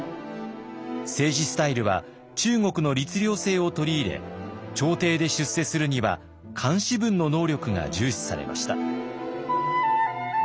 政治スタイルは中国の律令制を取り入れ朝廷で出世するには漢詩文の能力が重視されました。